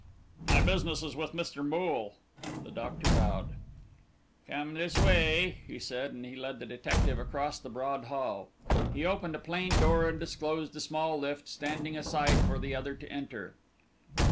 "My business is with Mr. Moole." The doctor bowed. "Come this way," he said, and he led the detective across the broad hall. He opened a plain door, and disclosed a small lift, standing aside for the other to enter.